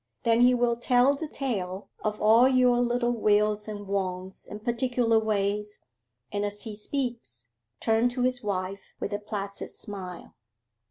Then he will tell the tale of all your little Wills and Wont's and particular ways, and as he speaks, turn to his wife with a placid smile.